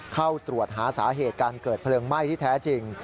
เข้าตรวจหาสาเหตุการเกิดเพลิงไหม้ที่แท้จริง